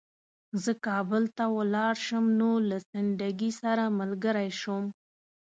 زه کابل ته ولاړ شم نو له سنډکي سره ملګری شوم.